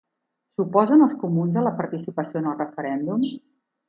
S'oposen els comuns a la participació en el referèndum?